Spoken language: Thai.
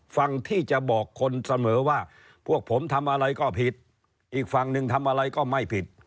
ฝั่งที่จะบอกคนเสมอว่าพวกผมทำอะไรก็ผิดอีกฝั่งหนึ่งทำอะไรก็ไม่ผิด